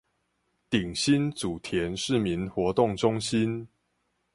頂新祖田市民活動中心